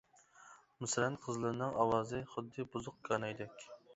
مىسران قىزلىرىنىڭ ئاۋازى، خۇددى بۇزۇق كانايدەك.